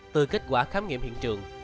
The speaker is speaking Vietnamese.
từ kết quả khám nghiệm hiện trường